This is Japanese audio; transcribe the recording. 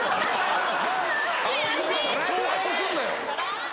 挑発すんなよ！